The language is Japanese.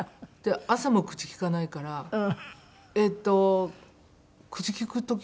朝も口利かないからえっと口利く時っていつだ？